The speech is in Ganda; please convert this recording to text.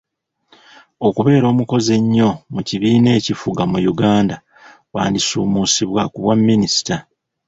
Okubeera omukozi ennyo mu kibiina ekifuga mu Uganda wandisuumuusibwa ku bwa Minisita.